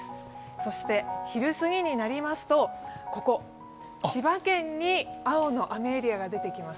そして昼すぎになりますと千葉県に青の雨エリアが出てきます。